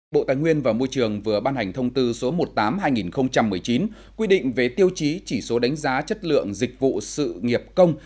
bộ tài nguyên và môi trường vừa ban hành thông tư số một mươi tám hai nghìn một mươi chín quy định về tiêu chí chỉ số đánh giá chất lượng dịch vụ sự nghiệp công